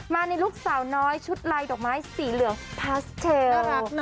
มาในลูกสาวน้อยชุดลายดอกไม้สีเหลืองพาสเตล